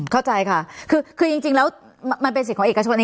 เข้าใจค่ะคือจริงแล้วมันเป็นสิทธิ์ของเอกชน